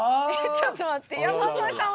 ちょっと待って。